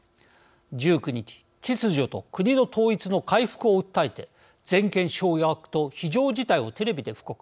１９日秩序と国の統一の回復を訴えて全権掌握と非常事態をテレビで布告。